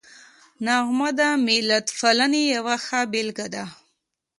نغمه د ملتپالنې یوه ښه بېلګه ده